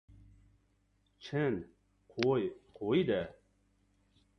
— Chin, qo‘y qo‘y-da.